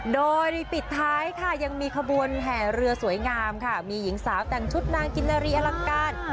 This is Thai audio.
โดยปิดท้ายค่ะยังมีขบวนแห่เรือสวยงามค่ะมีหญิงสาวแต่งชุดนางกินนารีอลังการ